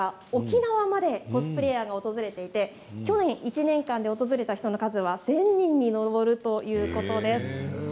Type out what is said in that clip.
今では北海道から沖縄までコスプレーヤーが訪れていて去年１年間で訪れた人の数は１０００人に上るということです。